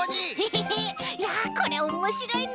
ヘヘヘいやこれおもしろいな。